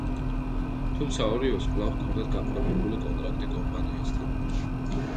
თუმცა ორივეს კვლავ ჰქონდათ გაფორმებული კონტრაქტი კომპანიასთან.